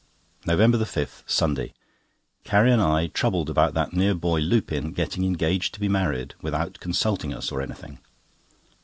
NOVEMBER 5, Sunday.—Carrie and I troubled about that mere boy Lupin getting engaged to be married without consulting us or anything.